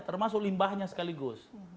termasuk limbahnya sekaligus